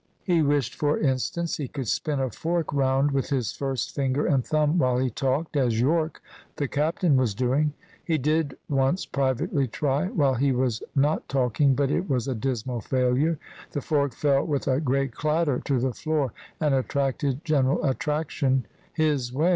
He wished, for instance, he could spin a fork round with his first finger and thumb while he talked, as Yorke, the captain, was doing. He did once privately try, while he was not talking, but it was a dismal failure. The fork fell with a great clatter to the floor and attracted general attraction his way.